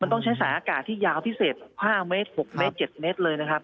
ต้องใช้สายอากาศที่ยาวพิเศษ๕๗เมตรเลยนะครับ